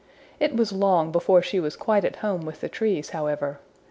It was long before she was quite at home with the trees, however.